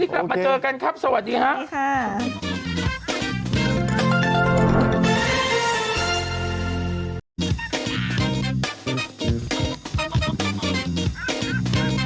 กลับมาเจอกันครับสวัสดีครับ